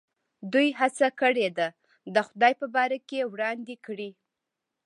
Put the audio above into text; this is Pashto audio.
دوی هڅه کړې ده د خدای په باره کې وړاندې کړي.